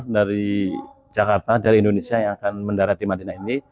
dari jakarta dari indonesia yang akan mendarat di madinah ini